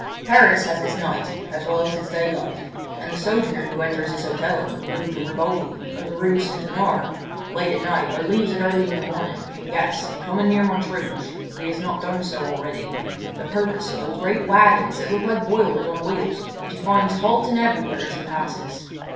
Paris has its night as well as its day life, and the sojourner who enters his hotel in the Rue de Rivoli or the Rue St. Honore late at night or leaves it early in the morning, can guess, in coming near Montrouge—if he has not done so already—the purpose of those great waggons that look like boilers on wheels which he finds halting everywhere as he passes.